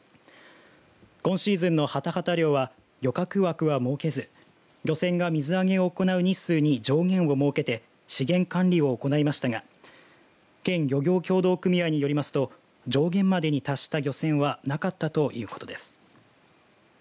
今シーズンのハタハタ漁は漁獲枠は設けず漁船が水揚げを行う日数に上限を設けて資源管理を行いましたが県漁業協同組合によりますと上限までに達した漁船はなかったということです。